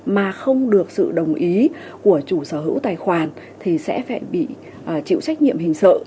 mà không được sự đồng ý của chủ sở hữu tài khoản thì sẽ phải bị chịu trách nhiệm hình sự